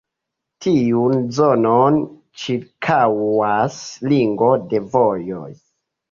Tiun zonon ĉirkaŭas ringo de vojoj.